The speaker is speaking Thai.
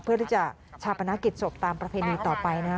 เพื่อที่จะชาปนกิจศพตามประเพณีต่อไปนะฮะ